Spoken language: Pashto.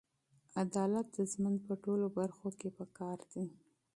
عدالت د ژوند په ټولو برخو کې پکار دی.